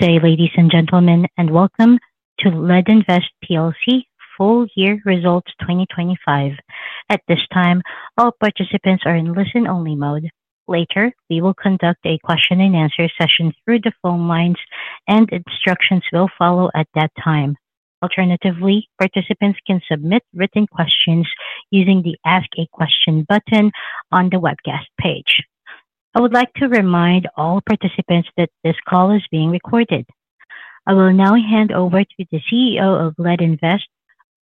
Good day ladies and gentlemen and welcome to LendInvest plc full year results 2025. At this time all participants are in listen only mode. Later we will conduct a question and answer session through the phone lines and instructions will follow at that time. Alternatively, participants can submit written questions using the Ask a Question button on the webcast page. I would like to remind all participants that this call is being recorded. I will now hand over to the CEO of LendInvest,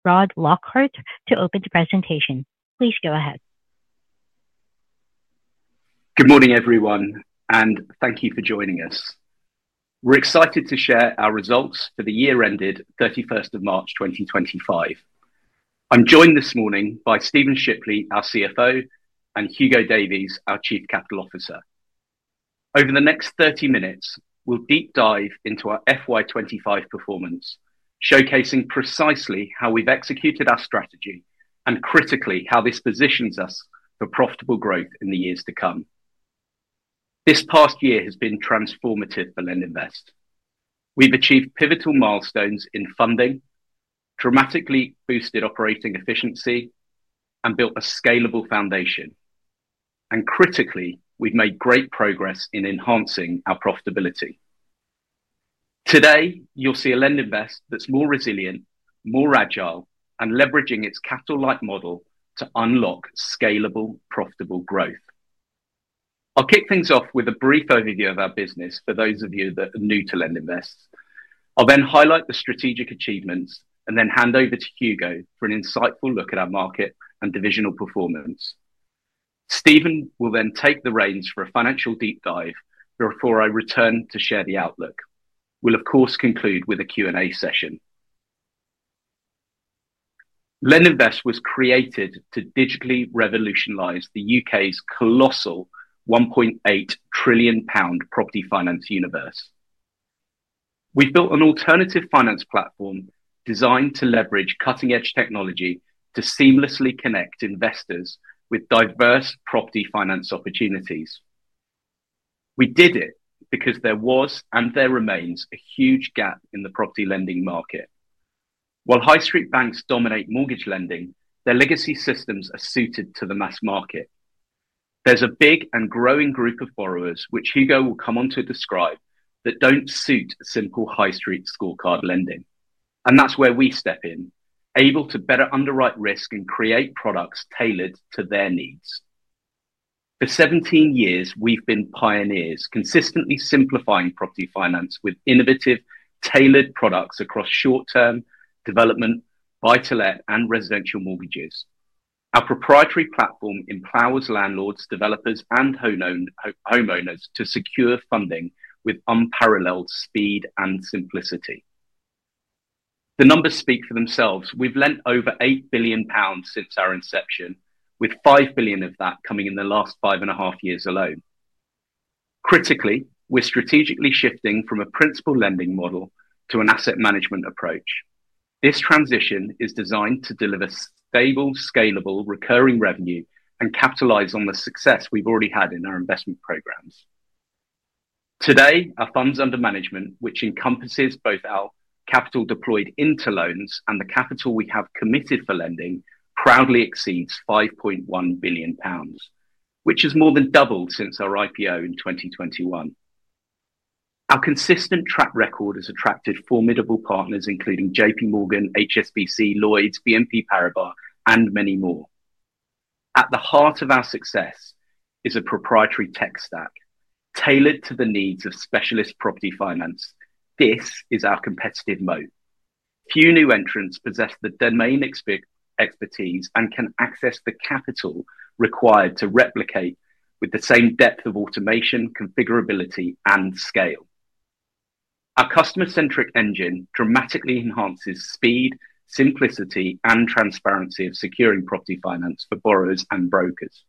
Rod Lockhart, to open the presentation. Please go ahead. Good morning everyone and thank you for joining us. We're excited to share our results for the year ended 31st of March 2025. I'm joined this morning by Stephen Shipley, our CFO, and Hugo Davies, our Chief Capital Officer. Over the next 30 minutes we'll deep dive into our FY 2025 performance, showcasing precisely how we've executed our strategy and, critically, how this positions us for profitable growth in the years to come. This past year has been transformative for LendInvest. We've achieved pivotal milestones in funding, dramatically boosted operating efficiency, and built a scalable foundation. Critically, we've made great progress in enhancing our profitability. Today you'll see a LendInvest that's more resilient, more agile, and leveraging its capital-light model to unlock scalable, profitable growth. I'll kick things off with a brief overview of our business for those of you that are new to LendInvest. I'll then highlight the strategic achievements and then hand over to Hugo for an insightful look at our market and divisional performance. Stephen will then take the reins for a financial deep dive before I return to share the outlook. We'll, of course, conclude with a Q and A session. LendInvest was created to digitally revolutionize the U.K.'s colossal 1.8 trillion pound property finance universe. We built an alternative finance platform designed to leverage cutting-edge technology to seamlessly connect investors with diverse property finance opportunities. We did it because there was, and there remains, a huge gap in the property lending market. While high street banks dominate mortgage lending, their legacy systems are suited to the mass market. There's a big and growing group of borrowers, which Hugo will come on to describe, that don't suit simple high street scorecard lending. That's where we step in, able to better underwrite risk and create products tailored to their needs. For 17 years we've been pioneers, consistently simplifying property finance with innovative, tailored products across short-term, development, buy-to-let, and residential mortgages. Our proprietary platform empowers landlords, developers, and homeowners to secure funding with unparalleled speed and simplicity. The numbers speak for themselves. We've lent over 8 billion pounds since our inception, with 5 billion of that coming in the last five and a half years alone. Critically, we're strategically shifting from a principal lending model to an asset management approach. This transition is designed to deliver stable, scalable recurring revenue and capitalize on the success we've already had in our investment programs. Today, our funds under management, which encompasses both our capital deployed into loans and the capital we have committed for lending, proudly exceeds 5.1 billion pounds, which has more than doubled since our IPO in 2021. Our consistent track record has attracted formidable partners including JPMorgan, HSBC, Lloyds, BNP Paribas, and many more. At the heart of our success is a proprietary tech stack tailored to the needs of specialist property finance. This is our competitive moat. Few new entrants possess the domain expertise and can access the capital required to replicate with the same depth of automation, configurability, and scale. Our customer-centric engine dramatically enhances speed, simplicity, and transparency of securing property finance for borrowers and brokers.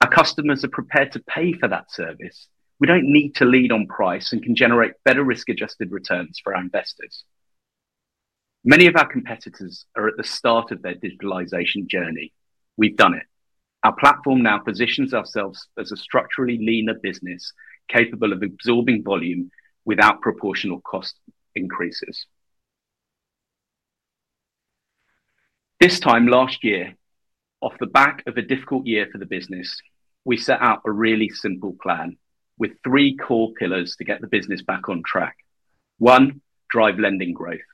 Our customers are prepared to pay for that service. We don't need to lean on price and can generate better risk-adjusted returns for our investors. Many of our competitors are at the start of their digitalization journey. We've done it. Our platform now positions ourselves as a structurally leaner business capable of absorbing volume without proportional cost increases. This time last year, off the back of a difficult year for the business, we set out a really simple plan with three core pillars to get the business back on track. One. Drive lending growth.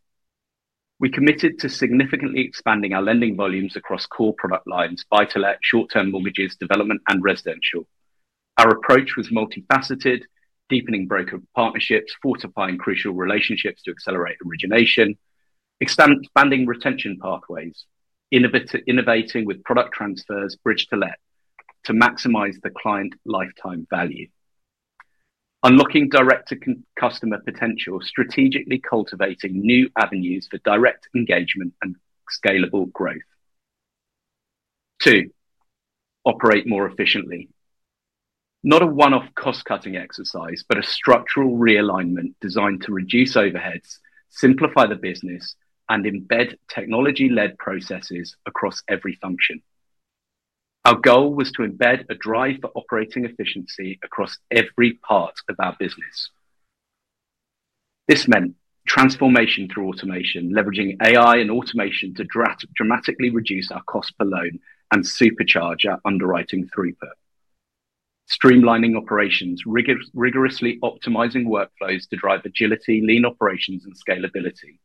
We committed to significantly expanding our lending volumes across core product lines vital at short-term mortgages, development, and residential. Our approach was multifaceted: deepening broker partnerships, fortifying crucial relationships to accelerate origination, expanding retention pathways, innovating with product transfers, bridge-to-let to maximize the client lifetime value, unlocking direct-to-customer potential, strategically cultivating new avenues for direct engagement and scalable growth. Two. Operate more efficiently, not a one-off cost-cutting exercise but a structural realignment designed to reduce overheads, simplify the business, and embed technology-led processes across every function. Our goal was to embed a drive for operating efficiency across every part of our business. This meant transformation through automation, leveraging AI and automation to dramatically reduce our cost per loan and supercharge our underwriting throughput. Streamlining operations, rigorously optimizing workflows to drive agility, lean operations, and scalability.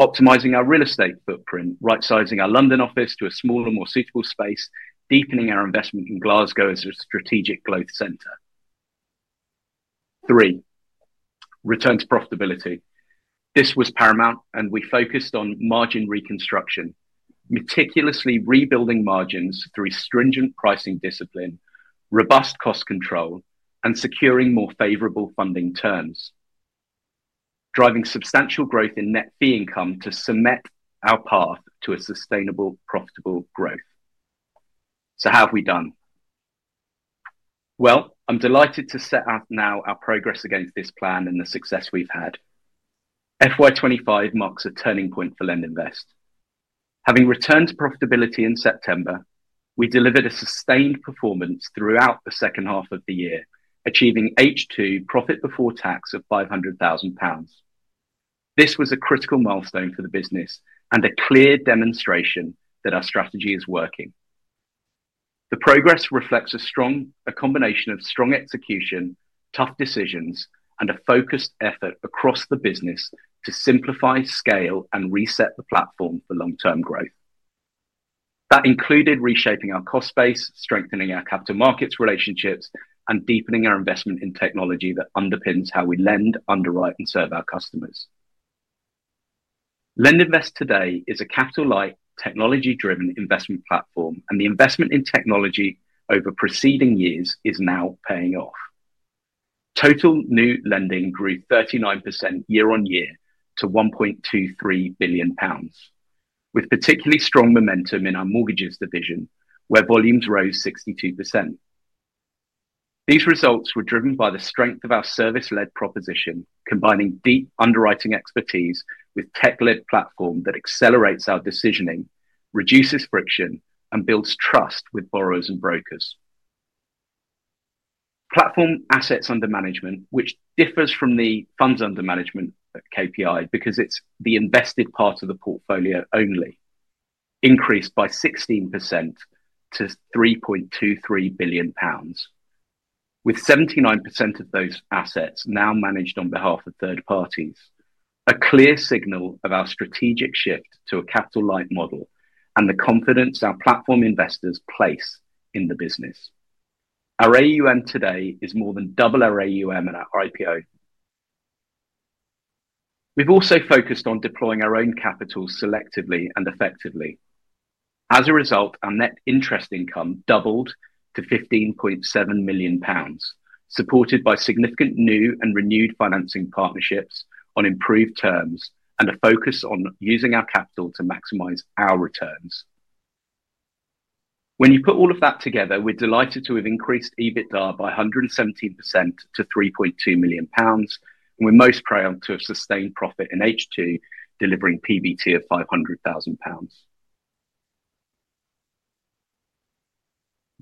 Optimizing our real estate footprint, rightsizing our London office to a smaller, more suitable space, deepening our investment in Glasgow as a strategic growth center. Three. Return to profitability, this was paramount and we focused on margin reconstruction. Meticulously rebuilding margins through stringent pricing discipline, robust cost control, and securing more favorable funding terms, driving substantial growth in net fee income to cement our path to a sustainable, profitable growth. How have we done? I'm delighted to set out now our progress against this plan and the success we've had. FY 2025 marks a turning point for LendInvest. Having returned to profitability in September, we delivered a sustained performance throughout the second half of the year, achieving H2 profit before tax of 500,000 pounds. This was a critical milestone for the business and a clear demonstration that our strategy is working. The progress reflects a combination of strong execution, tough decisions, and a focused effort across the business to simplify, scale, and reset the platform for long-term growth. That included reshaping our cost base, strengthening our capital markets relationships, and deepening our investment in technology that underpins how we lend, underwrite, and serve our customers. LendInvest today is a capital-light, technology-driven investment platform and the investment in technology over preceding years is now paying off. Total new lending grew 39% year on year to 1.23 billion pounds, with particularly strong momentum in our mortgages division where volumes rose 62%. These results were driven by the strength of our service-led proposition, combining deep underwriting expertise with a tech-led platform that accelerates our decisioning, reduces friction, and builds trust with borrowers and brokers. Platform assets under management, which differs from the funds under management KPI because it's the invested part of the portfolio only, increased by 16% to 3.23 billion pounds, with 79% of those assets now managed on behalf of third parties. A clear signal of our strategic shift to a capital-light model and the confidence our platform investors place in the business. Our AUM today is more than double our AUM in our IPO. We've also focused on deploying our own capital selectively and effectively. As a result, our net interest income doubled to 15.7 million pounds, supported by significant new and renewed financing, partnerships on improved terms, and a focus on using our capital to maximize our returns. When you put all of that together, we're delighted to have increased EBITDA by 117% to 3.2 million pounds. We're most proud to have sustained profit in H2, delivering PBT of 500,000 pounds.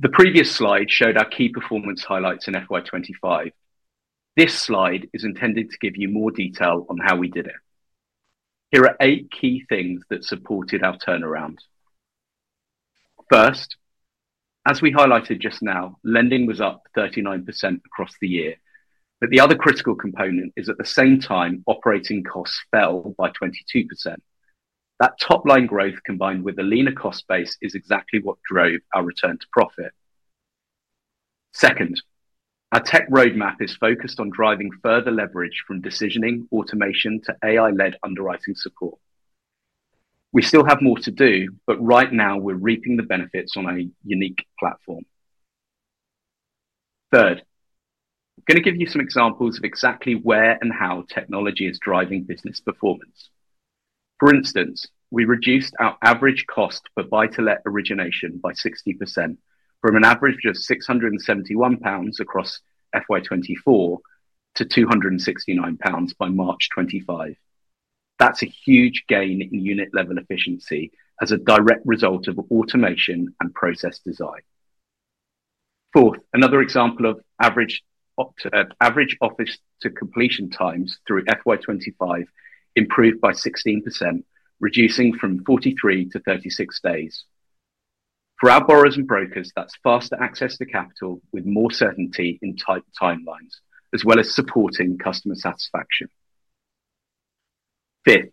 The previous slide showed our key performance highlights in FY 2025. This slide is intended to give you more detail on how we did it. Here are eight key things that supported our turnaround. First, as we highlighted just now, lending was up 39% across the year, but the other critical component is at the same time operating costs fell by 22%. That top line growth combined with the leaner cost base is exactly what drove our return to profit. Second, our tech roadmap is focused on driving further leverage from decisioning automation to AI-led underwriting support. We still have more to do, but right now we're reaping the benefits on a unique platform. Third, I'm going to give you some examples of exactly where and how technology is driving business performance. For instance, we reduced our average cost per buy-to-let origination by 60% from an average of 671 pounds across FY 2024 to 269 pounds by March 25. That's a huge gain in unit level efficiency as a direct result of automation and process design. Fourth, another example of average offer to completion times through FY 2025 improved by 16%, reducing from 43 to 36 days for our borrowers and brokers. That's faster access to capital with more certainty in tight timelines as well as supporting customer satisfaction. Fifth,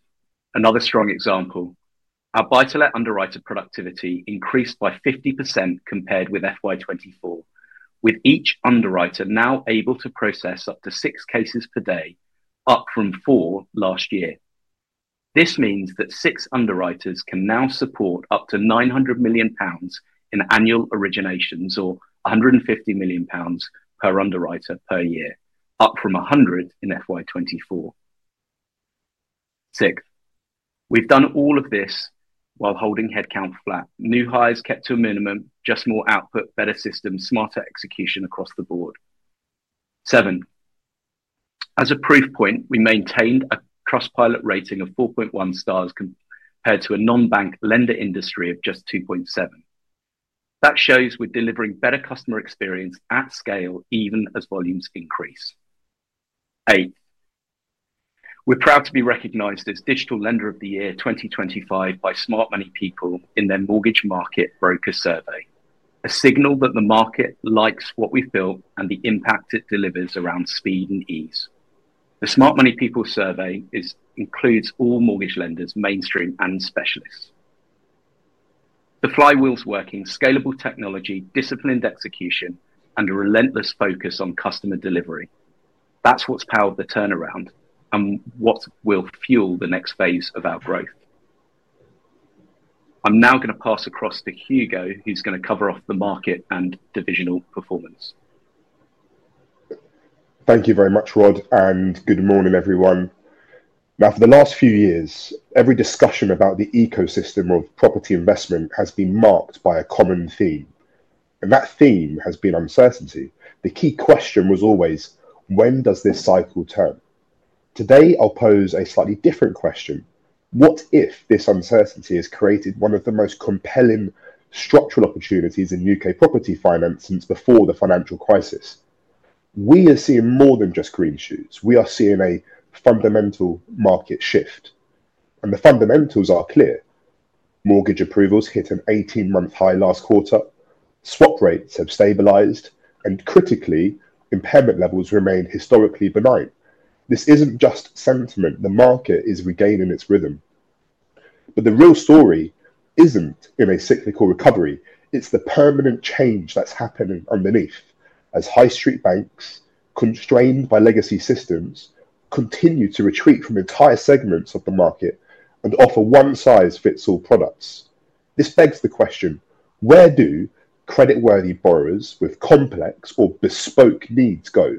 another strong example, our buy-to-let underwriter productivity increased by 50% compared with FY 2024, with each underwriter now able to process up to six cases per day, up from four last year. This means that six underwriters can now support up to 900 million pounds in annual originations or 150 million pounds per underwriter per year, up from 100 million in FY 2024. Sixth, we've done all of this while holding headcount flat. New hires kept to a minimum. Just more output, better systems, smarter execution across the board. Seventh, as a proof point, we maintained a Trustpilot rating of 4.1 stars compared to a non-bank lender industry of just 2.7. That shows we're delivering better customer experience at scale even as volumes increase. Eighth, We're proud to be recognized as Digital Lender of the Year 2025 by Smart Money People in their mortgage market broker survey, a signal that the market likes what we've built and the impact it delivers around speed and ease. The Smart Money People survey includes all mortgage lenders, mainstream and specialists. The flywheel's working: scalable technology, disciplined execution, and a relentless focus on customer delivery. That's what's powered the turnaround and what will fuel the next phase of our growth. I'm now going to pass across to Hugo, who's going to cover off the market and divisional performance. Thank you very much, Rod, and good morning everyone. Now, for the last few years, every discussion about the ecosystem of property investment has been marked by a common theme. That theme has been uncertainty. The key question was always, when does this cycle turn? Today I'll pose a slightly different question. What if this uncertainty has created one of the most compelling structural opportunities in U.K. property finance since before the financial crisis? We are seeing more than just green shoots. We are seeing a fundamental market shift. The fundamentals are clear. Mortgage approvals hit an 18-month high last quarter, stock rates have stabilized, and critically, impairment levels remain historically benign. This isn't just sentiment. The market is regaining its rhythm. The real story isn't in a cyclical recovery. It's the permanent change that's happening underneath as high street banks, constrained by legacy systems, continue to retreat from entire segments of the market and offer one-size-fits-all products. This begs the question, where do creditworthy borrowers with complex or bespoke needs go?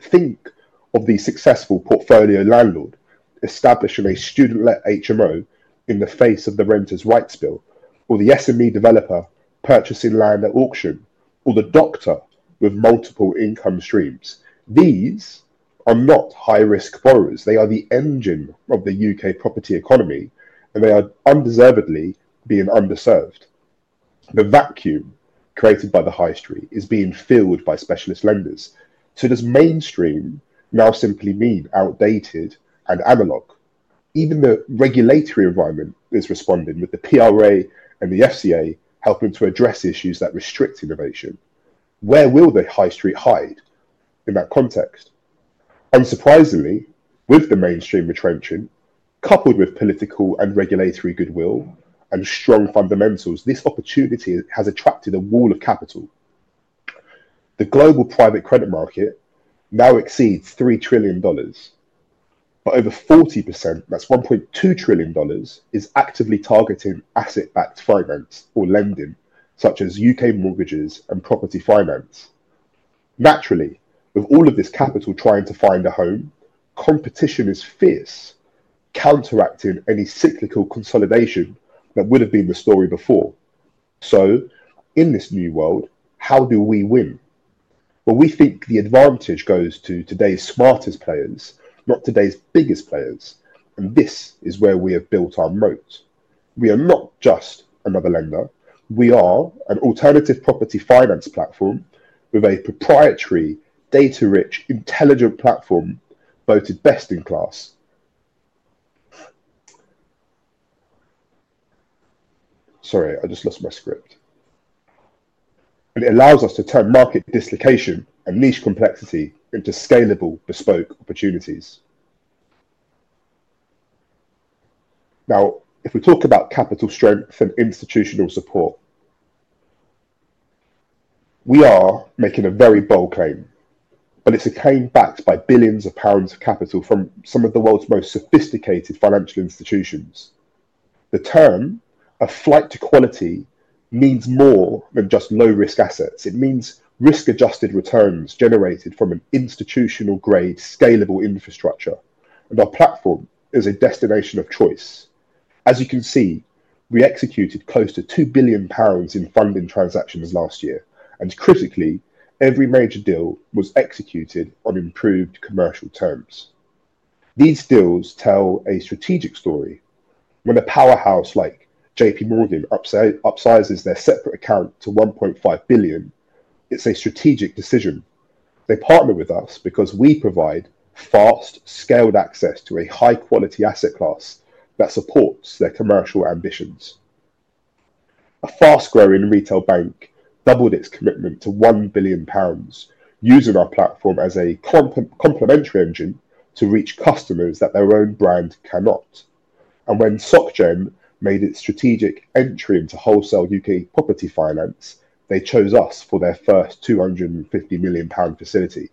Think of the successful portfolio landlord establishing a student-led HMO in the face of the Renters' Rights Bill, or the SME developer purchasing land at auction, or the doctor with multiple income streams. These are not high-risk borrowers. They are the engine of the U.K. property economy and they are undeservedly being underserved. The vacuum created by the high street is being filled by specialist lenders. Does mainstream now simply mean outdated and analog? Even the regulatory environment is responding, with the PRA and the FCA helping to address issues that restrict innovation. Where will the high street hide in that context? Unsurprisingly, with the mainstream retrenchment coupled with political and regulatory goodwill and strong fundamentals, this opportunity has attracted a wall of capital. The global private credit market now exceeds $3 trillion, but over 40%, that's $1.2 trillion, is actively targeting asset-backed finance or lending such as U.K. mortgages and property finance. Naturally, with all of this capital trying to find a home, competition is fierce, counteracting any cyclical consolidation that would have been the story before. In this new world, how do we win? We think the advantage goes to today's smartest players, not today's biggest players. This is where we have built our moat. We are not just another lender. We are an alternative property finance platform with a proprietary data-rich, intelligent platform voted best in class. It allows us to turn market dislocation and niche complexity into scalable, bespoke opportunities. If we talk about capital strength and institutional support, we are making a very bold claim, but it's a claim backed by billions of pounds of capital from some of the world's most sophisticated financial institutions. The term a flight to quality means more than just low-risk assets. It means risk-adjusted returns generated from an institutional-grade, scalable infrastructure. Our platform is a destination of choice. As you can see, we executed close to 2 billion pounds in funding transactions last year, and critically, every major deal was executed on improved commercial terms. These deals tell a strategic story. When a powerhouse like JPMorgan upsizes their separate account to 1.5 billion, it's a strategic decision. They partner with us because we provide fast, scaled access to a high-quality asset class that supports their commercial ambitions. A fast-growing retail bank doubled its commitment to 1 billion pounds, using our platform as a complementary engine to reach customers that their own brand cannot. When SocGen made its strategic entry into wholesale U.K. property finance, they chose us for their first 250 million pound facility.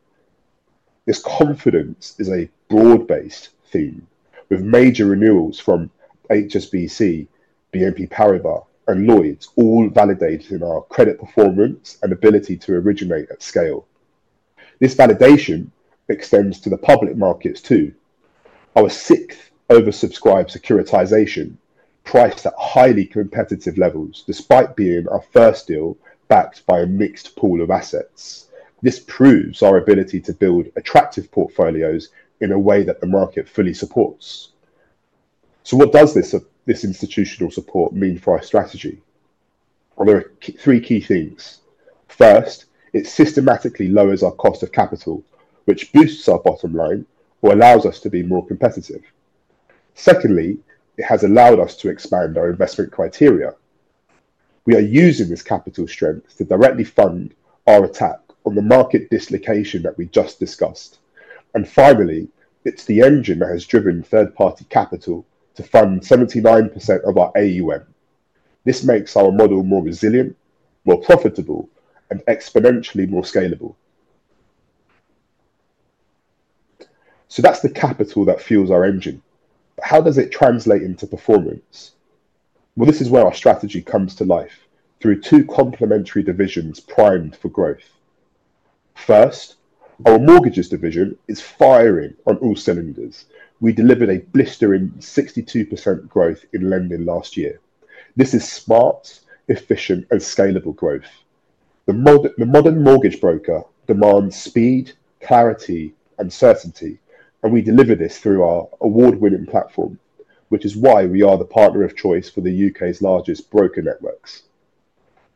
This confidence is a broad-based theme with major renewals from HSBC, BNP Paribas, and Lloyds, all validating our credit performance and ability to originate at scale. This validation extends to the public markets too. Our sixth oversubscribed securitization priced at highly competitive levels, despite being our first deal backed by a mixed pool of assets. This proves our ability to build attractive portfolios in a way that the market fully supports. What does this institutional support mean for our strategy? There are three key things. First, it systematically lowers our cost of capital, which boosts our bottom line or allows us to be more competitive. Secondly, it has allowed us to expand our investment criteria. We are using this capital strength to directly fund our attack on the market dislocation that we just discussed. Finally, it's the engine that has driven third-party capital to fund 79% of our AUM. This makes our model more resilient, more profitable, and exponentially more scalable. That's the capital that fuels our engine. How does it translate into performance? This is where our strategy comes to life, through two complementary divisions primed for growth. First, our mortgages division is firing on all cylinders. We delivered a blistering 62% growth in lending last year. This is smart, efficient, and scalable growth. The modern mortgage broker demands speed, clarity, and certainty, and we deliver this through our award-winning platform, which is why we are the partner of choice for the U.K.'s largest broker networks.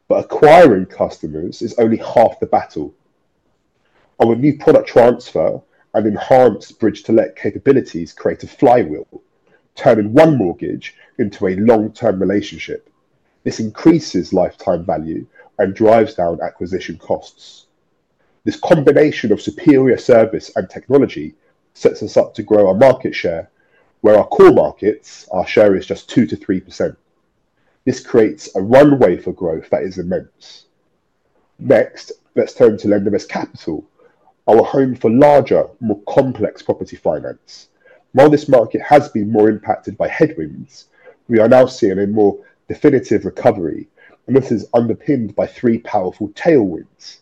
Acquiring customers is only half the battle. Our new product transfer and enhanced bridge-to-let capabilities create a flywheel, turning one mortgage into a long-term relationship. This increases lifetime value and drives down acquisition costs. This combination of superior service and technology sets us up to grow our market share, where in our core markets our share is just 2%-3%. This creates a runway for growth that is immense. Next, let's turn to LendInvest capital, our home for larger, more complex property finance. While this market has been more impacted by headwinds, we are now seeing a more definitive recovery, and this is underpinned by three powerful tailwinds.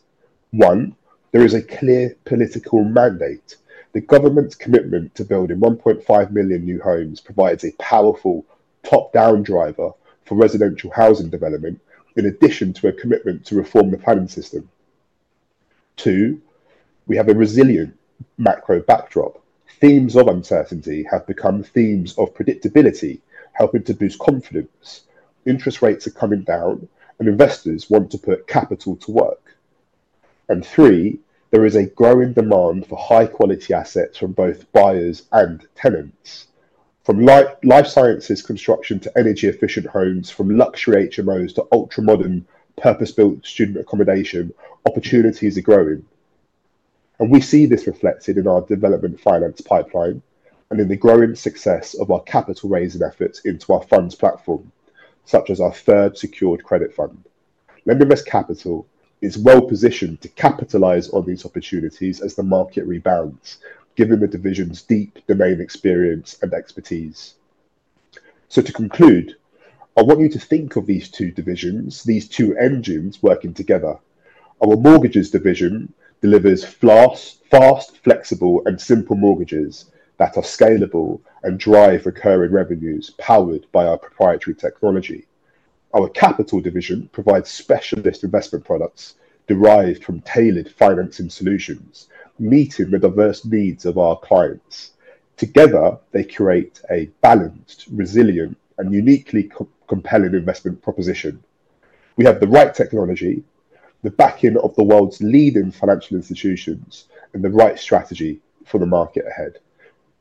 One, there is a clear political mandate. The government's commitment to building 1.5 million new homes provides a powerful top-down driver for residential housing development in addition to a commitment to reform the planning system. Two, we have a resilient macro backdrop. Themes of uncertainty have become themes of predictability, helping to boost confidence. Interest rates are coming down and investors want to put capital to work. Three, there is a growing demand for high-quality assets from both buyers and tenants. From life sciences construction to energy-efficient homes, from luxury HMOs to ultra-modern purpose-built student accommodation, opportunities are growing and we see this reflected in our development finance pipeline and in the growing success of our capital raising efforts into our funds platform, such as our third secured credit fund. LendInvest capital is well positioned to capitalize on these opportunities as the market rebounds, given the division's deep domain experience and expertise. To conclude, I want you to think of these two divisions, these two engines working together. Our mortgages division delivers fast, flexible, and simple mortgages that are scalable and drive recurring revenues. Powered by our proprietary technology, our capital division provides specialist investment products derived from tailored financing solutions, meeting the diverse needs of our clients. Together they create a balanced, resilient, and uniquely compelling investment proposition. We have the right technology, the backing of the world's leading financial institutions, and the right strategy for the market ahead.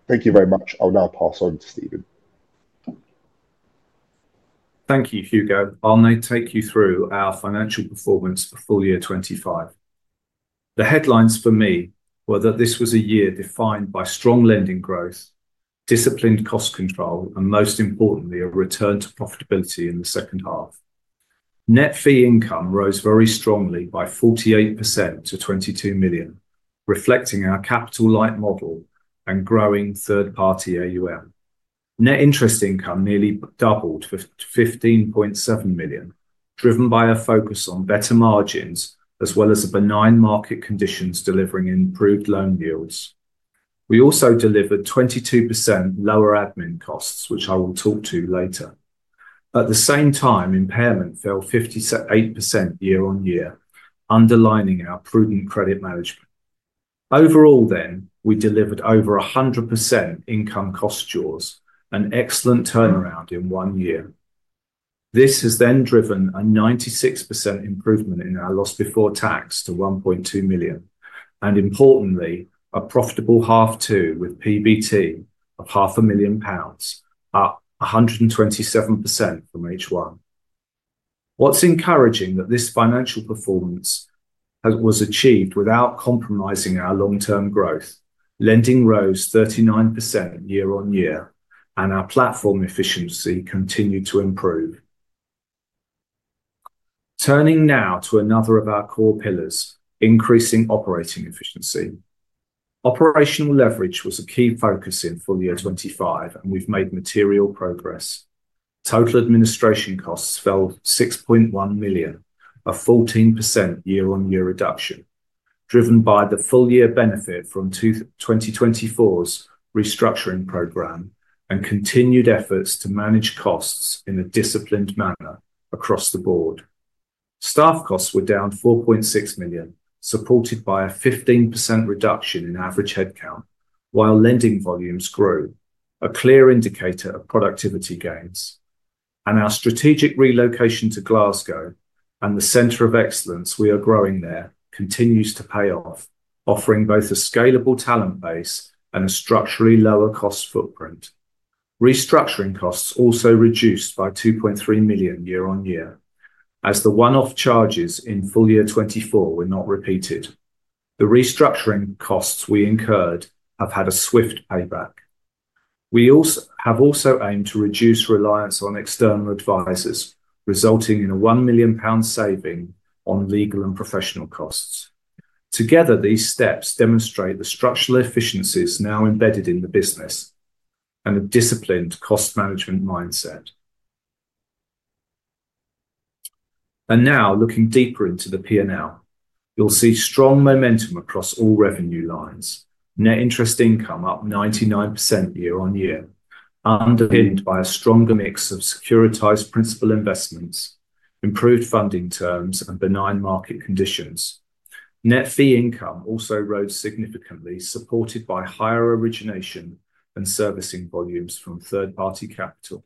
Thank you very much. I'll now pass on to Stephen. Thank you, Hugo. I'll now take you through our financial performance for full year 2025. The headlines for me were that this was a year defined by strong lending growth, disciplined cost control, and most importantly, a return to profitability. In the second half, net fee income rose very strongly by 48% to 22 million, reflecting our capital-light model and growing third-party AUM. Net interest income nearly doubled to 15.7 million, driven by a focus on better margins as well as the benign market conditions delivering improved loan yields. We also delivered 22% lower admin costs, which I will talk to later. At the same time, impairment fell 58% year on year, underlining our prudent credit management overall. We delivered over 100% income cost jaws, an excellent turnaround in one year. This has then driven a 96% improvement in our loss before tax to 1.2 million and, importantly, a profitable half two with PBT of 0.5 million pounds, up 127% from H1. What's encouraging is that this financial performance was achieved without compromising our long-term growth. Lending rose 39% year on year, and our platform efficiency continued to improve. Turning now to another of our core pillars, increasing operating efficiency. Operational leverage was a key focus in full year 2025, and we've made material progress. Total administration costs fell 6.1 million, a 14% year on year reduction, driven by the full year benefit from 2024's restructuring program and continued efforts to manage costs in a disciplined manner. Across the board, staff costs were down 4.6 million, supported by a 15% reduction in average headcount, while lending volumes grew, a clear indicator of productivity gains. Our strategic relocation to Glasgow and the Centre of Excellence we are growing there continues to pay off, offering both a scalable talent base and a structurally lower cost footprint. Restructuring costs also reduced by 2.3 million year on year, as the one-off charges in full year 2024 were not repeated. The restructuring costs we incurred have had a swift payback. We have also aimed to reduce reliance on external advisors, resulting in a 1 million pound saving on legal and professional costs. Together, these steps demonstrate the structural efficiencies now embedded in the business and a disciplined cost management mindset. Now, looking deeper into the P&L, you'll see strong momentum across all revenue lines. Net interest income up 99% year on year, underpinned by a stronger mix of securitized principal investments, improved funding terms, and benign market conditions. Net fee income also rose significantly, supported by higher origination and servicing volumes from third party capital.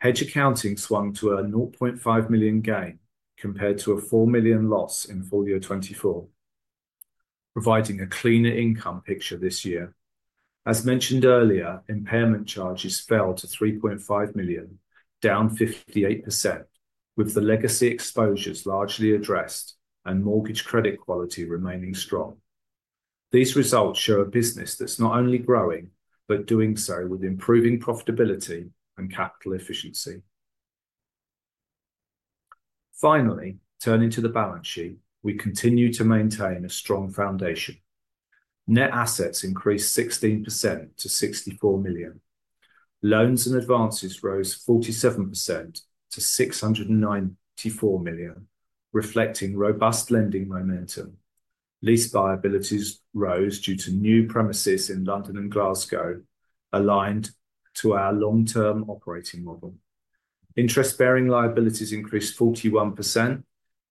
Hedge accounting swung to a 0.5 million gain compared to a 4 million loss in 2024, providing a cleaner income picture this year. As mentioned earlier, impairment charges fell to 3.5 million, down 58%. With the legacy exposures largely addressed and mortgage credit quality remaining strong, these results show a business that's not only growing, but doing so with improving profitability and capital efficiency. Finally, turning to the balance sheet, we continue to maintain a strong foundation. Net assets increased 16% to 64 million. Loans and advances rose 47% to 694 million, reflecting robust lending momentum. Lease liabilities rose due to new premises in London and Glasgow. Aligned to our long-term operating model, interest-bearing liabilities increased 41%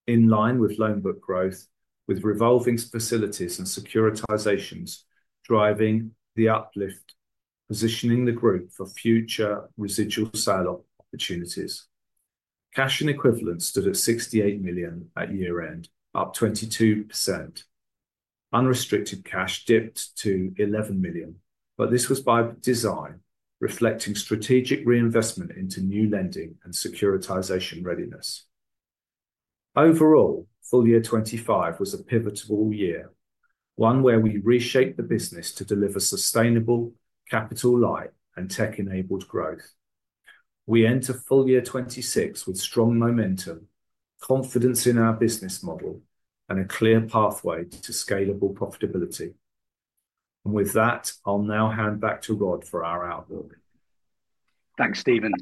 in line with loan book growth, with revolving facilities and securitizations driving the uplift, positioning the group for future residual sale opportunities. Cash and equivalents stood at 68 million at year end, up 22%. Unrestricted cash dipped to 11 million, but this was by design, reflecting strategic reinvestment into new lending and securitization readiness. Overall, full year 2025 was a pivotal year, one where we reshaped the business to deliver sustainable capital-light and tech-enabled growth. We enter full year 2026 with strong momentum, confidence in our business model, and a clear pathway to scalable profitability. With that, I'll now hand back to Rod for our outlook. Thanks, Stephen.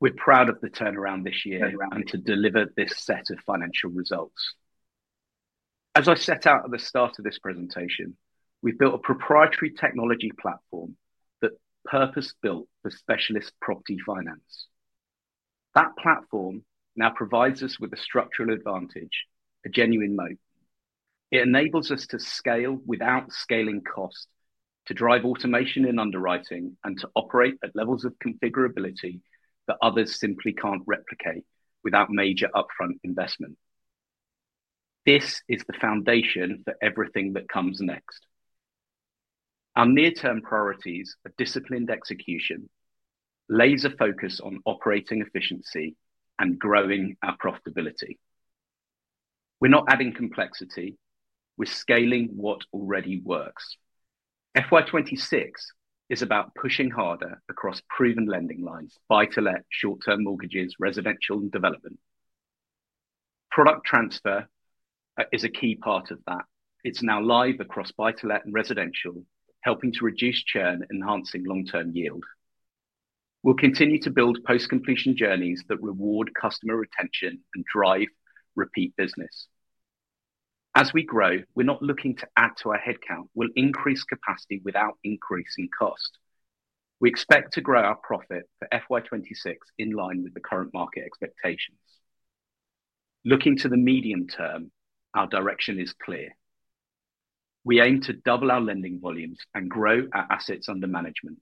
We're proud of the turnaround this year and to deliver this set of financial results. As I set out at the start of this presentation, we've built a proprietary technology platform that's purpose built for specialist property finance. That platform now provides us with a structural advantage, a genuine moat. It enables us to scale without scaling costs, to drive automation in underwriting, and to operate at levels of configurability that others simply can't replicate without major upfront investment. This is the foundation for everything that comes next. Our near-term priorities are disciplined execution, laser focus on operating efficiency, and growing our profitability. We're not adding complexity; we're scaling what already works. FY 2026 is about pushing harder across proven lending lines: buy-to-let, short-term mortgages, residential, and development. Product transfers are a key part of that. It's now live across buy-to-let and residential, helping to reduce churn and enhancing long-term yield. We'll continue to build post-completion journeys that reward customer retention and drive repeat business. As we grow, we're not looking to add to our headcount. We'll increase capacity without increasing cost. We expect to grow our profit for FY 2026 in line with the current market expectations. Looking to the medium term, our direction is clear. We aim to double our lending volumes and grow our assets under management.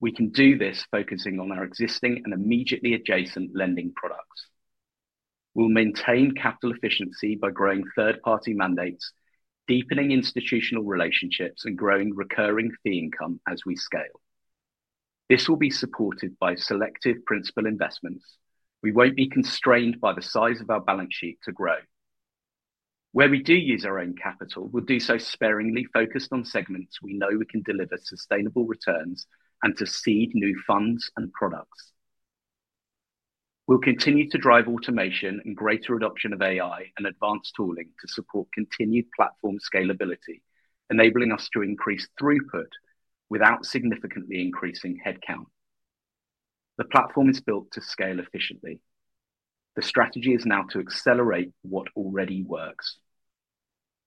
We can do this focusing on our existing and immediately adjacent lending products. We will maintain capital efficiency by growing third-party mandates, deepening institutional relationships, and growing recurring fee income as we scale. This will be supported by selective principal investments. We won't be constrained by the size of our balance sheet to grow. Where we do use our own capital, we'll do so sparingly, focused on segments we know we can deliver sustainable returns and to seed new funds and products. We'll continue to drive automation and greater adoption of AI and advanced tooling to support continued platform scalability, enabling us to increase throughput without significantly increasing headcount. The platform is built to scale efficiently. The strategy is now to accelerate what already works.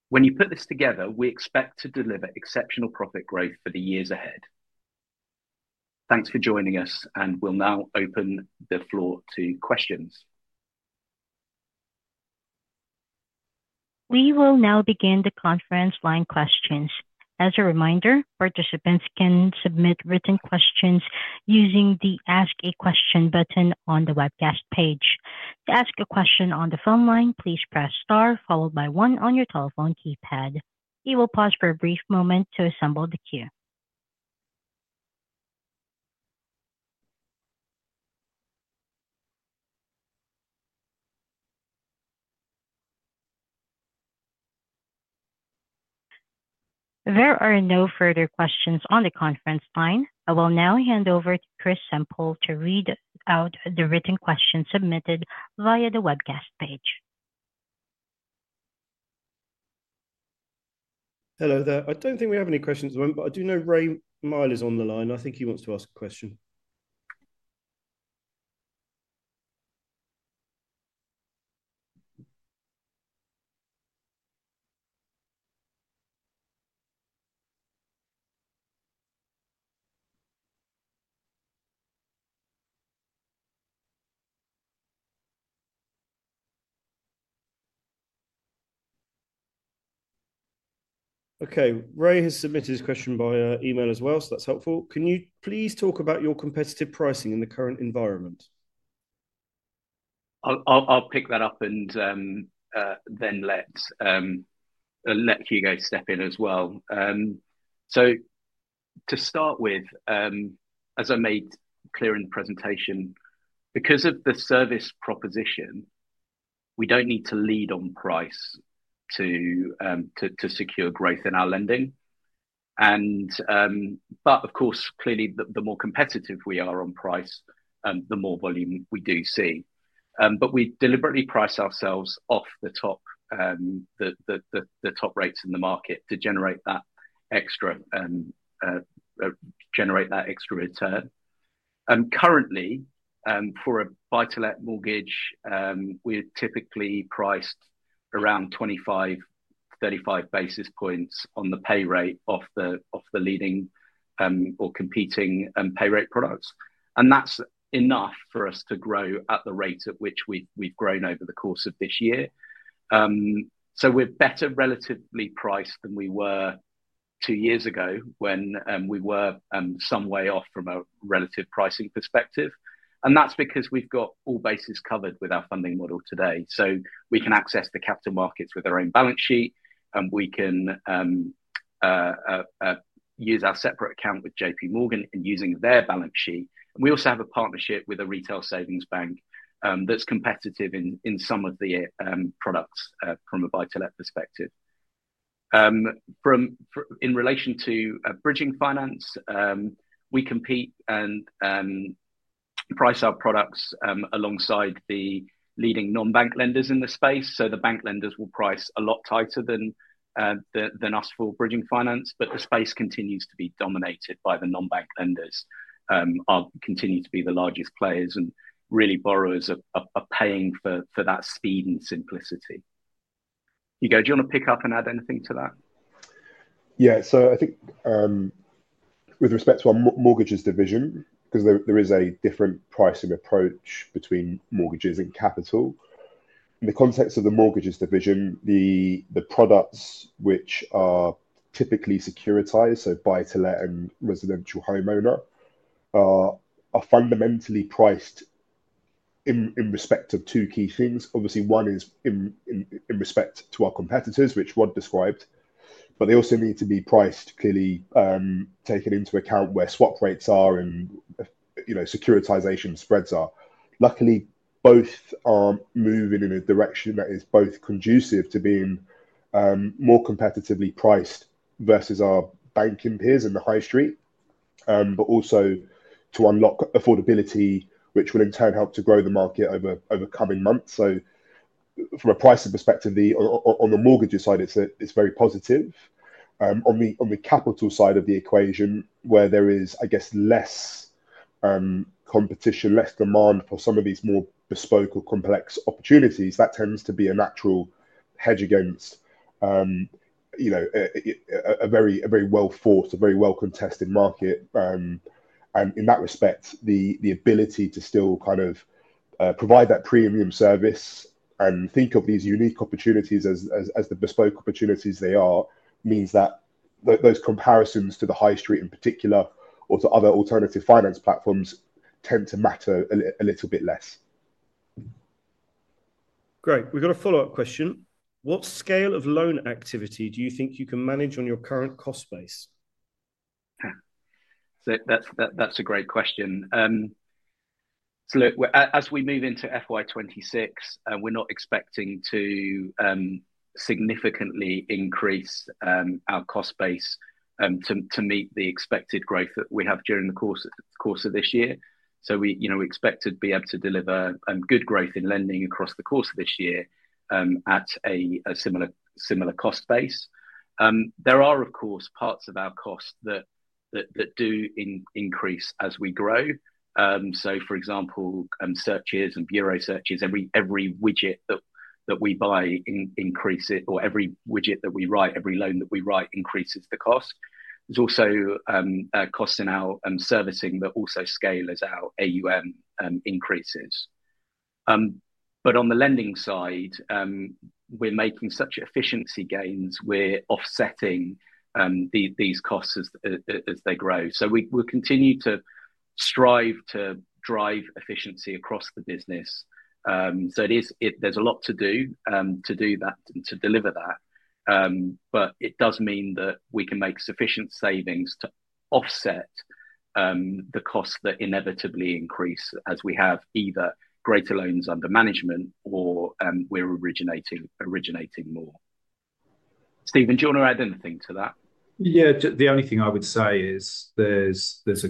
When you put this together, we expect to deliver exceptional profit growth for the years ahead. Thanks for joining us, and we'll now open the floor to questions. We will now begin the conference line questions. As a reminder, participants can submit written questions using the Ask a Question button on the webcast page. To ask a question on the phone line, please press star followed by one on your telephone keypad. We will pause for a brief moment to assemble the queue. There are no further questions on the conference line. I will now hand over to Chris Semple to read out the written questions submitted via the webcast page. Hello there. I don't think we have any questions, but I do know Ray Mile is on the line. I think he wants to ask a question. Ray has submitted his question via email as well, so that's helpful. Can you please talk about your competitive pricing in the current environment? I'll pick that up and then let Hugo step in as well. To start with, as I made clear in the presentation, because of the service proposition, we don't need to lead on price to secure growth in our lending. Of course, clearly the more competitive we are on price, the more volume we do see. We deliberately price ourselves off the top rates in the market to generate that extra return. Currently, for a buy-to-let mortgage, we're typically priced around 25 basis points-35 basis points on the pay rate off the leading or competing pay rate products. That's enough for us to grow at the rate at which we've grown over the course of this year. We're better relatively priced than we were two years ago when we were some way off from a relative pricing perspective. That's because we've got all bases covered with our funding model today. We can access the capital markets with our own balance sheet and we can use our separate account with JPMorgan and using their balance sheet. We also have a partnership with a retail savings bank that's competitive in some of the products. From a buy-to-let perspective in relation to bridging finance, we compete and price our products alongside the leading non-bank lenders in the space. The bank lenders will price a lot tighter than us for bridging finance. The space continues to be dominated by the non-bank lenders, continue to be the largest players, and really borrowers are paying for that speed and simplicity. Hugo, do you want to pick up and add anything to that? Yeah. I think with respect to our mortgages division, because there is a different pricing approach between mortgages and capital. In the context of the mortgages division, the products which are typically securitized, so buy-to-let and residential homeowner, are fundamentally priced in respect of two key things. Obviously, one is in respect to our competitors, which Rod described, but they also need to be priced clearly taking into account where swap rates are and, you know, securitization spreads are. Luckily, both are moving in a direction that is conducive to being more competitively priced versus our banking peers in the high street, but also to unlock affordability, which will in turn help to grow the market over coming months. From a pricing perspective on the mortgages side, it's very positive. On the capital side of the equation, where there is, I guess, less competition, less demand for some of these more business bespoke or complex opportunities, that tends to be a natural hedge against a very well-contested market. In that respect, the ability to still provide that premium service and think of these unique opportunities as the bespoke opportunities they are means that those comparisons to the high street in particular or to other alternative finance platforms tend to matter a little bit less. Great. We've got a follow-up question. What scale of loan activity do you think you can manage on your current cost base? That's a great question. As we move into FY 2026, we're not expecting to significantly increase our cost base to meet the expected growth that we have during the course of this year. We expect to be able to deliver good growth in lending across the course of this year at a similar cost base. There are, of course, parts of our cost that do increase as we grow. For example, searches and bureau searches, every widget that we buy increases it or every widget that we write. Every loan that we write increases the cost. There's also cost in our servicing that also scales. Our AUM increases. On the lending side, we're making such efficiency gains, we're offsetting these costs as they grow. We continue to strive to drive efficiency across the business. There's a lot to do to deliver that. It does mean that we can make sufficient savings to offset the costs that inevitably increase as we have either greater loans under management or we're originating more. Stephen, do you want to add anything to that? Yeah, the only thing I would say is there's a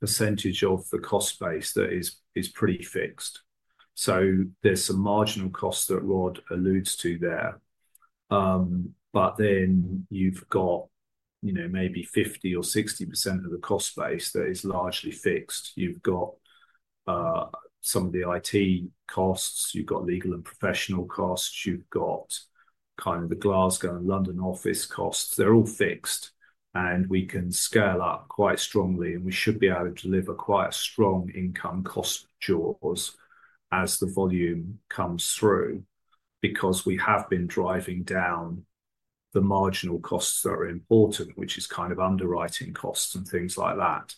good percentage of the cost base that is pretty fixed, so there's some marginal costs that Rod alludes to there, but then you've got maybe 50% or 60% of the cost base that is largely fixed. You've got some of the IT costs, you've got legal and professional costs, you've got kind of the Glasgow and London office costs. They're all fixed, and we can scale up quite strongly, and we should be able to deliver quite a strong income cost jaws as the volume comes through, because we have been driving down the marginal costs that are important, which is kind of underwriting costs and things like that.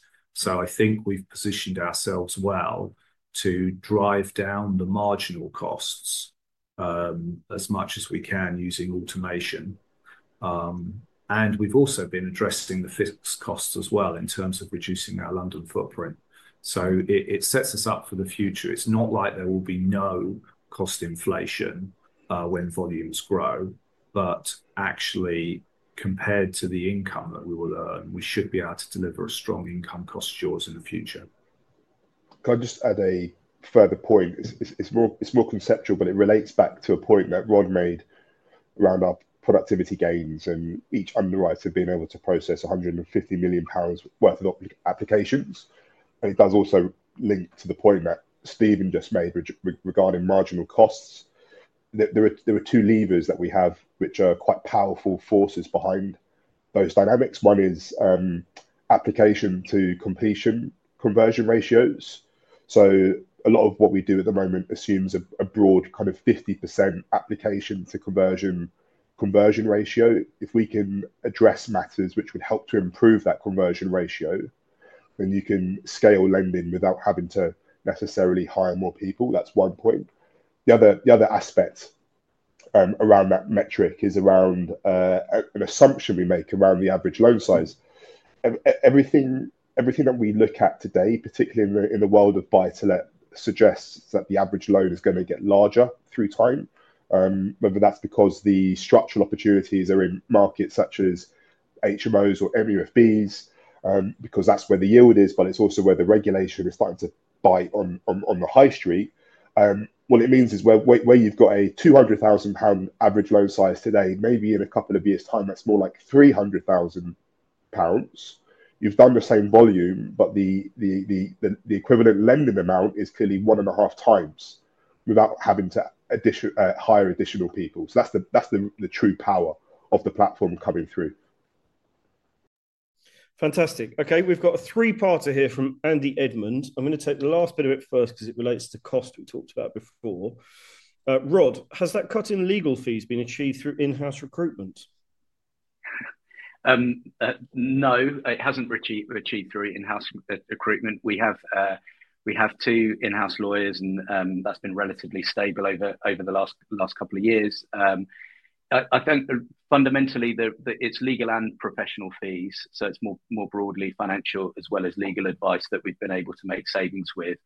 I think we've positioned ourselves well to drive down the marginal costs as much as we can using automation. We've also been addressing the fixed costs as well in terms of reducing our London footprint. It sets us up for the future. It's not like there will be no cost inflation when volumes grow, but actually compared to the income that we will earn, we should be able to deliver a strong income cost jaws in the future. Can I just add a further point? It's more conceptual, but it relates back to a point that Rod made around our productivity gains and each underwriter being able to process 150 million pounds worth of applications. It does also link to the point that Stephen just made regarding marginal costs. There are two levers that we have which are quite powerful forces behind those dynamics. One is application to completion conversion ratios. A lot of what we do at the moment assumes a broad kind of 50% application to conversion ratio. If we can address matters which would help to improve that conversion ratio, you can scale lending without having to necessarily hire more people. That's one point. The other aspect around that metric is around an assumption we make around the average loan size. Everything that we look at today, particularly in the world of buy-to-let, suggests that the average loan is going to get larger through time. Remember, that's because the structural opportunities are in markets such as HMOs or MUFBs, because that's where the yield is. It's also where the regulation is starting to bite on the high street. What it means is where you've got a 200,000 pound average loan size today, maybe in a couple of years' time, that's more like 300,000 pounds. You've done the same volume, but the equivalent lending amount is clearly one and a half times without having to hire additional people, so that's the true power of the platform coming through. Fantastic. Okay, we've got a three-parter here from Andy Edmond. I'm going to take the last bit of it first because it relates to cost we talked about before. Rod, has that cut in legal fees been achieved through in-house recruitment? No, it hasn't achieved through in-house recruitment. We have two in-house lawyers, and that's been relatively stable over the last couple of years. I think fundamentally it's legal and professional fees. It's more broadly financial as well as legal advice that we've been able to make savings with.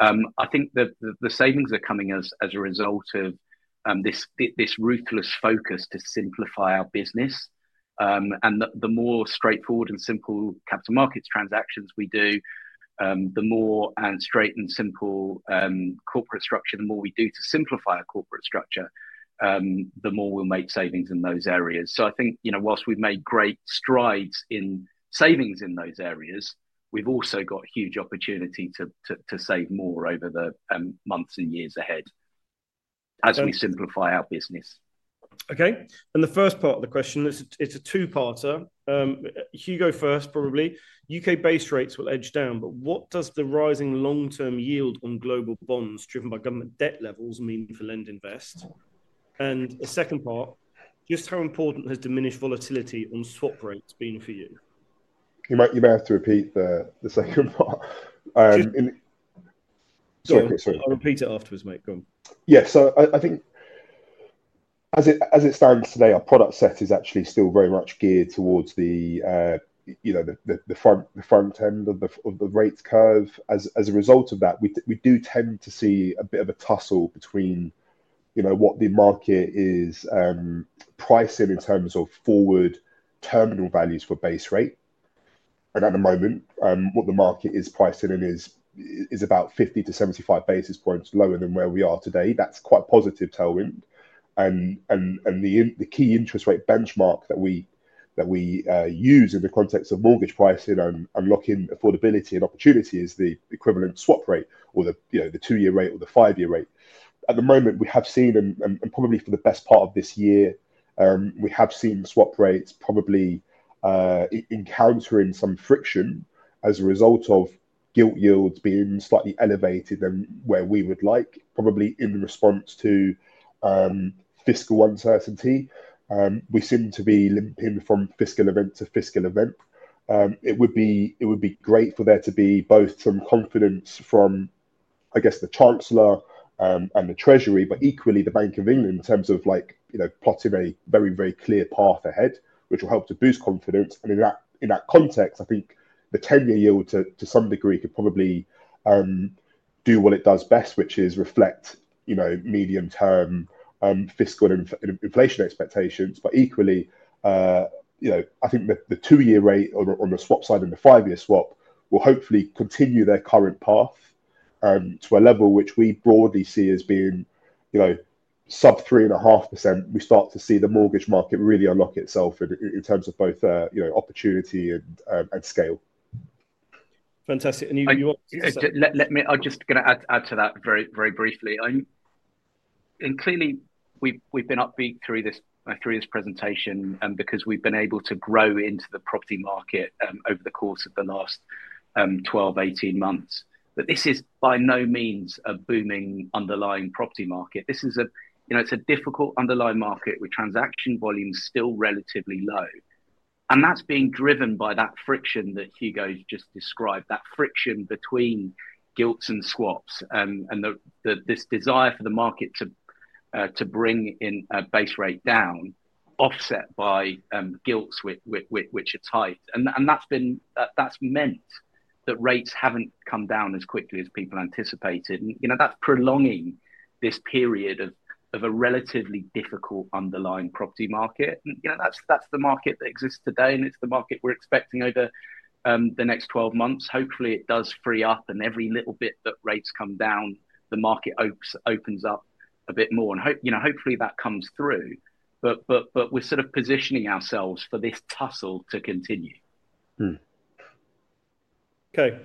I think that the savings are coming as a result of this ruthless focus to simplify our business. The more straightforward and simple capital markets transactions we do, and the more straightforward and simple corporate structure, the more we do to simplify our corporate structure, the more we'll make savings in those areas. Whilst we've made great strides in savings in those areas, we've also got huge opportunity to save more over the months and years ahead as we simplify our business. Okay, and the first part of the question, it's a two-parter, Hugo. First, probably U.K. base rates will edge down, but what does the rising long-term yield on global bonds driven by government debt levels mean for LendInvest? The second part, just how important has diminished volatility on swap rates been for you? You may have to repeat the second part. I'll repeat it afterwards, mate. Go on. Yeah, so I think as it stands today, our product set is actually still very much geared towards the front end of the rate curve. As a result of that, we do tend to see a bit of a tussle between what the market is pricing in terms of forward terminal values for base rate. At the moment, what the market is pricing in is about 50 basis points-75 basis points lower than where we are today. That's quite a positive tailwind. The key interest rate benchmark that we use in the context of mortgage pricing and unlocking affordability and opportunity is the equivalent swap rate or the two year rate or the five year rate. At the moment, we have seen, and probably for the best part of this year we have seen, swap rates probably encountering some friction as a result of gilt yields being slightly elevated than where we would like, probably in response to fiscal uncertainty. We seem to be limping from fiscal event to fiscal event. It would be great for there to be both some confidence from, I guess, the Chancellor and the Treasury, but equally the Bank of England in terms of plotting a very, very clear path ahead, which will help to boost confidence. In that context, I think the 10 year yield to some degree could probably do what it does best, which is reflect medium term fiscal inflation expectations. Equally, I think the two year rate on the swap side and the five year swap will hopefully continue their current path to a level which we broadly see as being sub 3.5%. We start to see the mortgage market really unlock itself in terms of both opportunity and scale. Fantastic. I'm just going to add to that very briefly, and clearly we've been upbeat through this presentation because we've been able to grow into the property market over the course of the last 12-18 months. This is by no means a booming underlying property market. It is a difficult underlying market with transaction volumes still relatively low, and that's being driven by that friction that Hugo just described, that friction between gilts and swaps and this desire for the market to bring the base rate down, offset by gilts which are tight. That has meant that rates haven't come down as quickly as people anticipated. That's prolonging this period of a relatively difficult underlying property market. That's the market that exists today, and it's the market we're expecting over the next 12 months. Hopefully it does free up, and every little bit that rates come down, the market opens up a bit more, and hopefully that comes through. We're sort of positioning ourselves for this tussle to continue. Okay,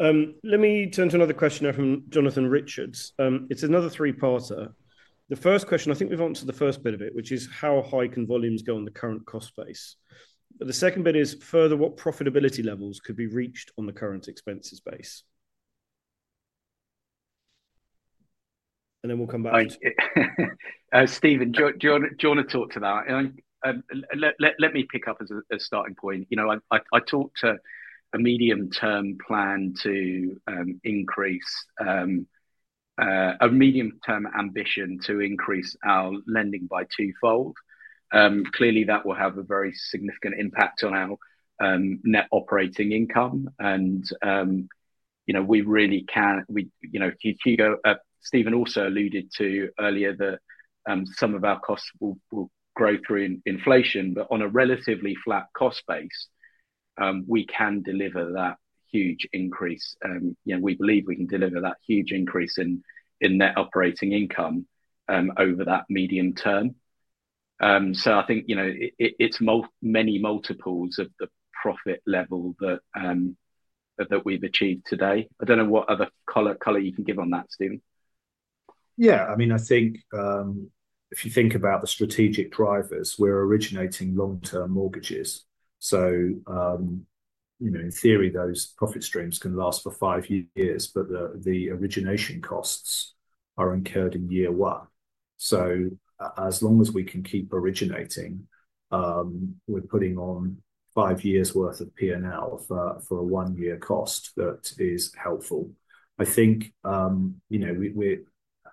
let me turn to another question from Jonathan Richards. It's another three-parter. The first question, I think we've answered the first bit of it, which is how high can volumes go on the current cost base? The second bit is further what profitability levels could be reached on the current expenses base. We'll come back. Stephen, do you want to talk to that? Let me pick up as a starting point. I talked to a medium term plan to increase a medium term ambition to increase our lending by twofold. Clearly, that will have a very significant impact on our net operating income. We really can. Stephen also alluded to earlier that some of our costs will grow through inflation. On a relatively flat cost base, we can deliver that huge increase. We believe we can deliver that huge increase in net operating income over that medium term. I think it's many multiples of the profit level that we've achieved today. I don't know what other color you can give on that, Stephen? Yeah, I mean, I think if you think about the strategic drivers, we're originating long term mortgages. In theory those profit streams can last for five years, but the origination costs are incurred in year one. As long as we can keep originating, we're putting on five years' worth of P&L for a one year cost. That is helpful. I think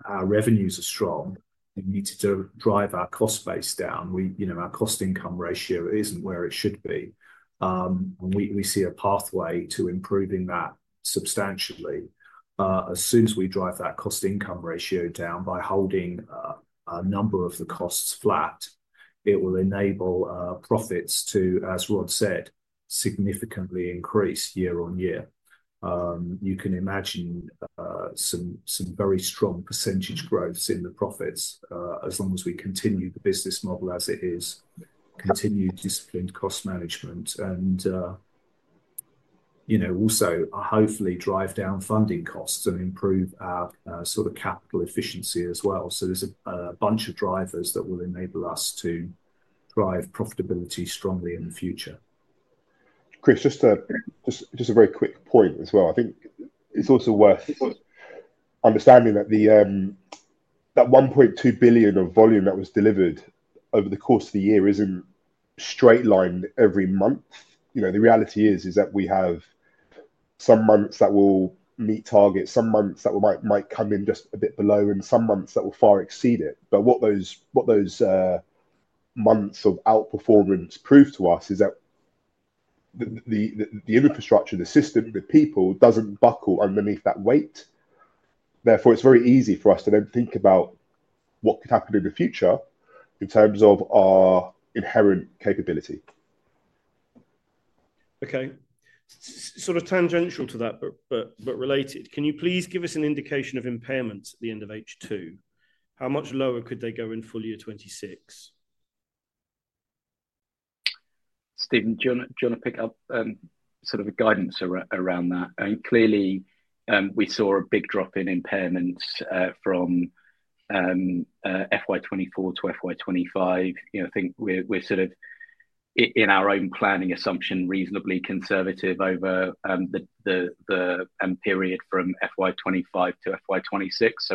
our revenues are strong. We need to drive our cost base down. Our cost income ratio isn't where it should be. We see a pathway to improving that substantially. As soon as we drive that cost income ratio down by holding a number of the costs flat, it will enable profits to, as Rod said, significantly increase year on year. You can imagine some very strong percentage growths in the profits as long as we continue the business model as it is continued, disciplined cost management and you also, hopefully drive down funding costs and improve our sort of capital efficiency as well. There's a bunch of drivers that will enable us to drive profitability strongly in the future. Chris, just a very quick point as well. I think it's also worth understanding that 1.2 billion of volume that was delivered over the course of the year isn't straight lined every month. The reality is that we have some months that will meet target, some months that might come in just a bit below, and some months that will far exceed it. What those months of outperformance prove to us is that the infrastructure, the system, the people doesn't buckle underneath that weight. Therefore, it's very easy for us to then think about what could happen in the future in terms of our inherent capability. Okay, sort of tangential to that, but related. Can you please give us an indication of impairments at the end of H2? How much lower could they go in full year 2026? Stephen, do you want to pick up sort of a guidance around that? Clearly, we saw a big drop in impairments from FY 2024 to FY 2025. I think we're sort of in our own planning assumption, reasonably conservative over the period from FY 2025 to FY 2026.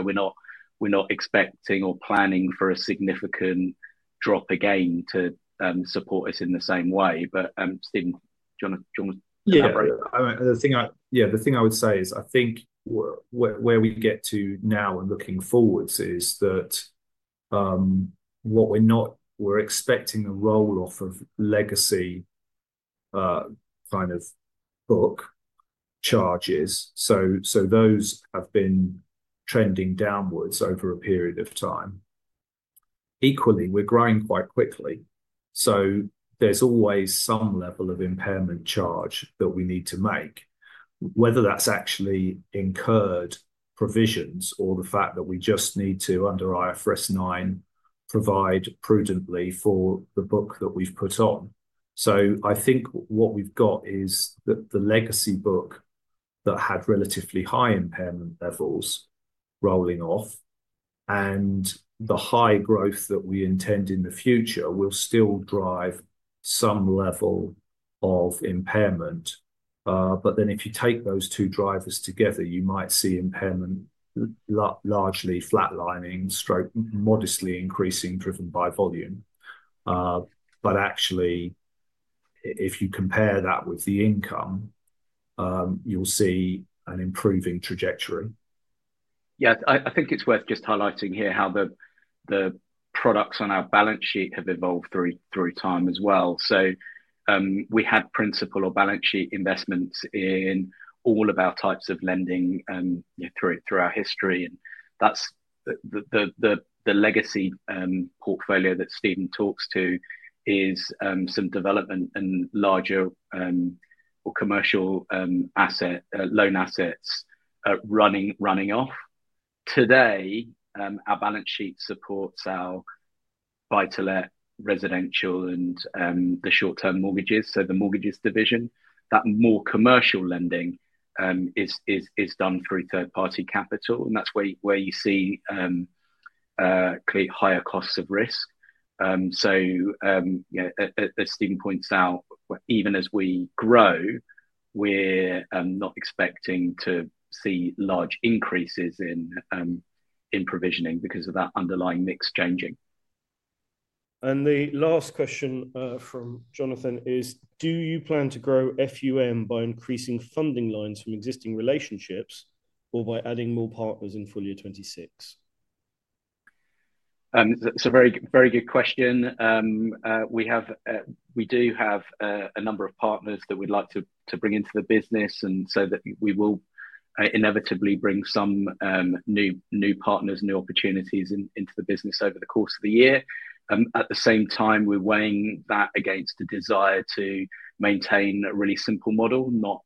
We're not expecting or planning for a significant drop again to support us in the same way. The thing I would say is I think where we get to now and looking forwards is that we're expecting the roll off of legacy kind of book charges. Those have been trending downwards over a period of time. Equally, we're growing quite quickly, so there's always some level of impairment charge that we need to make, whether that's actually incurred provisions or the fact that we just need to under IFRS 9 provide prudently for the book that we've put on. I think what we've got is the legacy book that had relatively high impairment levels rolling off, and the high growth that we intend in the future will still drive some level of impairment. If you take those two drivers together, you might see impairment largely flatlining, modestly increasing, driven by volume. Actually, if you compare that with the income, you'll see an improving trajectory. I think it's worth just highlighting here how the products on our balance sheet have evolved through time as well. We had principal or balance sheet investments in all of our types of lending through our history. The legacy portfolio that Stephen talks to is some development and larger or commercial asset loan assets running off today. Our balance sheet supports our buy-to-let, residential, and the short-term mortgages. The mortgages division, that more commercial lending is done through third-party capital, and that's where you see higher costs of risk. As Stephen points out, even as we grow, we're not expecting to see large increases in provisioning because of that underlying mix changing. The last question from Jonathan is, do you plan to grow funds under management by increasing funding lines from existing relationships or by adding more partners in full year 2026? It's a very, very good question. We do have a number of partners that we'd like to bring into the business, and we will inevitably bring some new partners, new opportunities into the business over the course of the year. At the same time, we're weighing that against the desire to maintain a really simple model, not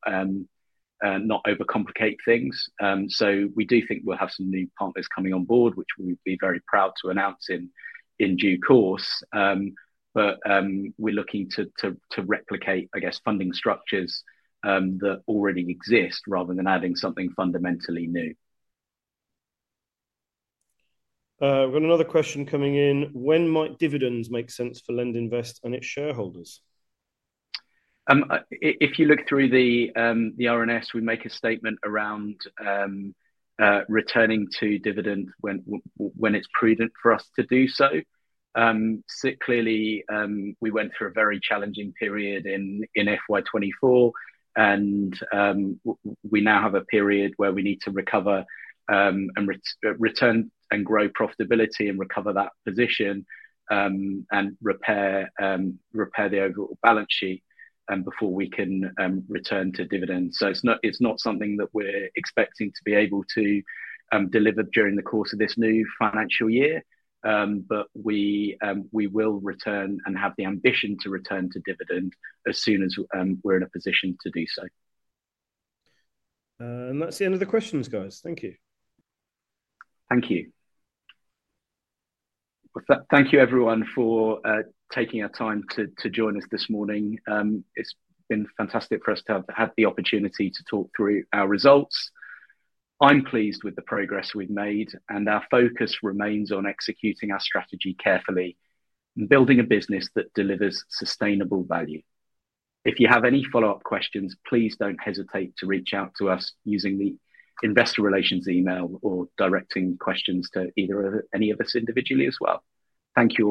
overcomplicate things. We do think we'll have some new partners coming on board, which we'll be very proud to announce in due course. We're looking to replicate, I guess, funding structures that already exist rather than adding something fundamentally new. We've got another question coming in. When might dividends make sense for LendInvest and its shareholders? If you look through the RNS, we make a statement around returning to dividend when it's prudent for us to do so. Clearly, we went through a very challenging period in FY 2024 and we now have a period where we need to recover and return and grow profitability and recover that position and repair the overall balance sheet before we can return to dividends. It's not something that we're expecting to be able to deliver during the course of this new financial year, but we will return and have the ambition to return to dividend as soon as we're in a position to do so. That's the end of the questions, guys. Thank you. Thank you. Thank you everyone for taking our time to join us this morning. It's been fantastic for us to have had the opportunity to talk through our results. I'm pleased with the progress we've made, and our focus remains on executing our strategy carefully and building a business that delivers sustainable value. If you have any follow up questions, please don't hesitate to reach out to us using the investor relations email or directing questions to either of any of us individually as well. Thank you.